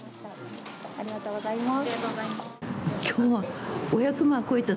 ありがとうございます。